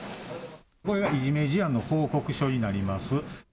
これはいじめ事案の報告書になります。